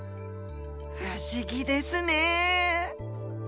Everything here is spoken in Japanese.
不思議ですね！